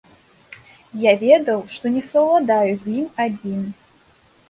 Я ведаў, што не саўладаю з ім адзін.